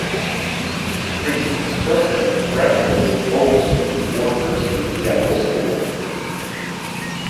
During the construction Thrasher built homes for his workers and a general store.